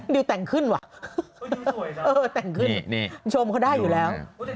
ดิวแต่งขึ้นว่ะโชมเขาได้อยู่แล้ว